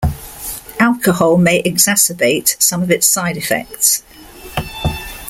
Alcohol may exacerbate some of its side effects.